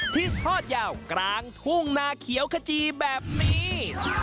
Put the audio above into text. ทอดยาวกลางทุ่งนาเขียวขจีแบบนี้